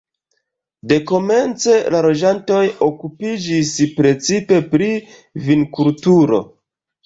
Dekomence la loĝantoj okupiĝis precipe pri vinkulturo.